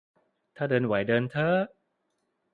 ถ้าเดินไหว เดินเถอะ